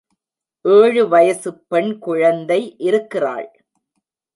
ஏழு வயசுப் பெண் குழந்தை இருக்கிறாள்.